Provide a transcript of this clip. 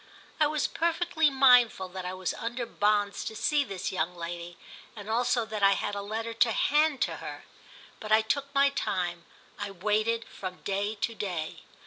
I was perfectly mindful that I was under bonds to see this young lady, and also that I had a letter to hand to her; but I took my time, I waited from day to day.